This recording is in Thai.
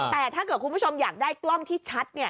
แต่ถ้าเกิดคุณผู้ชมอยากได้กล้องที่ชัด